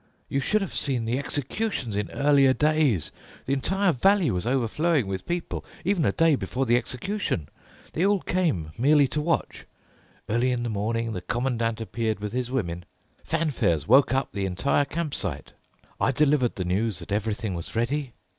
You should have seen the executions in earlier days! The entire valley was overflowing with people, even a day before the execution. They all came merely to watch. Early in the morning the Commandant appeared with his women. Fanfares woke up the entire campsite. I delivered the news that everything was ready.